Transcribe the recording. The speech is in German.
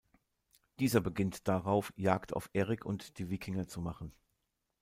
Dieser beginnt darauf, Jagd auf Erik und die Wikinger zu machen.